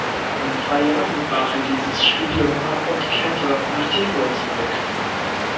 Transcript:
Nach drei Jahren brach er dieses Studium ab und kehrte nach Tirol zurück.